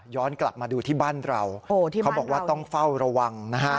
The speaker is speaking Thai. กลับมาดูที่บ้านเราเขาบอกว่าต้องเฝ้าระวังนะฮะ